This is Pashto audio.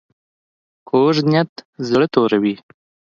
کوږ نیت زړه توروي